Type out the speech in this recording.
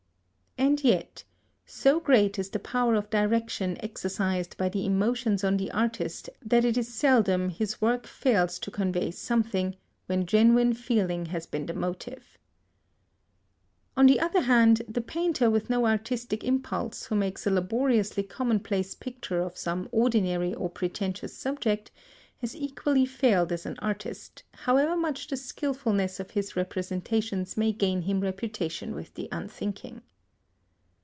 And yet, #so great is the power of direction exercised by the emotions on the artist that it is seldom his work fails to convey something, when genuine feeling has been the motive#. On the other hand, the painter with no artistic impulse who makes a laboriously commonplace picture of some ordinary or pretentious subject, has equally failed as an artist, however much the skilfulness of his representations may gain him reputation with the unthinking.